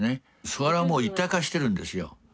それはもう一体化してるんですよ。